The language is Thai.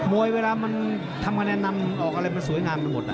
บวยเวลามันทำแขมแน้นนำออกอะไรไปสวยงามด้วยหมดน่ะ